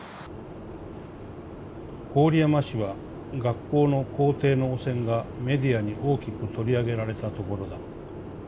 「郡山市は学校の校庭の汚染がメディアに大きく取り上げられたところだ。